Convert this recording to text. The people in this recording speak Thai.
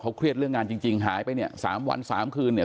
เครียดเรื่องงานจริงจริงหายไปเนี่ยสามวันสามคืนเนี่ย